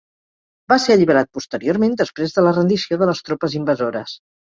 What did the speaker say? Va ser alliberat posteriorment després de la rendició de les tropes invasores.